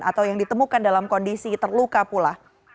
atau yang ditemukan dalam kondisi terluka pula